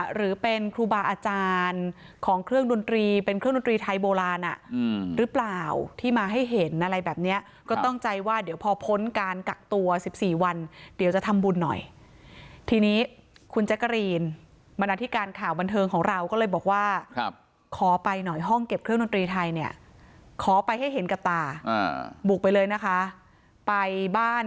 หรือเป็นครูบาอาจารย์ของเครื่องดนตรีเป็นเครื่องดนตรีไทยโบราณหรือเปล่าที่มาให้เห็นอะไรแบบเนี้ยก็ต้องใจว่าเดี๋ยวพอพ้นการกักตัว๑๔วันเดี๋ยวจะทำบุญหน่อยทีนี้คุณแจ๊กกะรีนบรรณาธิการข่าวบันเทิงของเราก็เลยบอกว่าขอไปหน่อยห้องเก็บเครื่องดนตรีไทยเนี่ยขอไปให้เห็นกับตาบุกไปเลยนะคะไปบ้าน